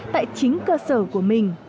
tại chính cơ sở của mình